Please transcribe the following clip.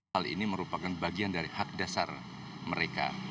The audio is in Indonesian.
hal ini merupakan bagian dari hak dasar mereka